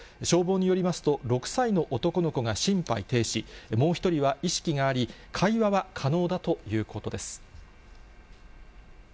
消防によりますと、６歳の男の子が心肺停止、もう一人は意識があり、会話は可能だということです。